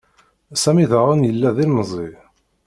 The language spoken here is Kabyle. Sami daɣen yella d ilemẓi.